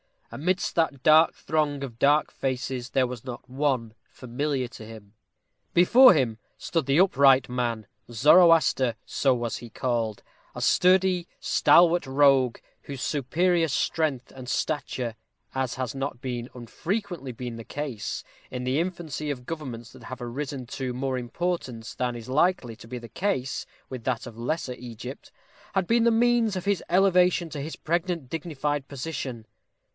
Amidst that throng of dark faces there was not one familiar to him. Before him stood the upright man, Zoroaster so was he called , a sturdy, stalwart rogue, whose superior strength and stature as has not unfrequently been the case in the infancy of governments that have risen to more importance than is likely to be the case with that of Lesser Egypt had been the means of his elevation to his present dignified position.